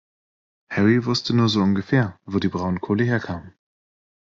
Harry wusste nur so ungefähr wo die Braunkohle her kam.